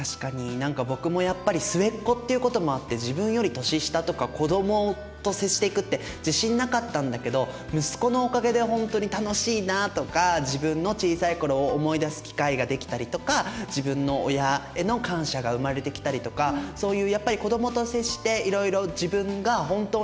何か僕もやっぱり末っ子っていうこともあって自分より年下とか子どもと接していくって自信なかったんだけど息子のおかげでほんとに楽しいなとか自分の小さい頃を思い出す機会ができたりとか自分の親への感謝が生まれてきたりとかそういう